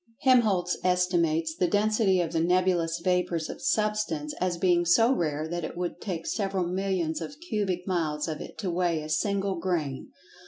Helmholtz estimates the density of the nebulous vapors of Substance as being so rare that it would take several millions of cubic miles of it to weigh a single grain.